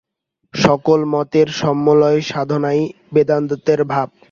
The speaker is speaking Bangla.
সকল মতের সমন্বয়-সাধনই বেদান্তের ভাব।